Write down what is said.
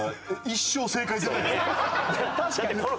確かに。